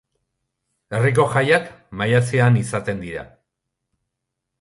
Herriko jaiak maiatzean izaten dira.